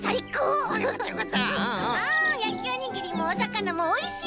あやきおにぎりもおさかなもおいしい！